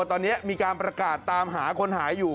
ตอนนี้มีการประกาศตามหาคนหายอยู่